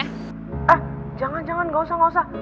eh jangan jangan gak usah gak usah